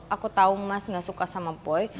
aku tahu mas enggak suka sama boy